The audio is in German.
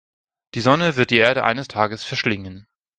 Die Sonne wird die Erde eines Tages verschlingen.